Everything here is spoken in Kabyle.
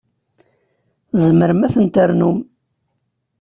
Tzemrem ad ten-ternum.